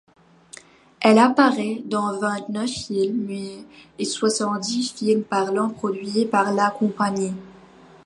Elle apparaît dans vingt-neuf films muets et soixante-dix films parlants produits par la compagnie.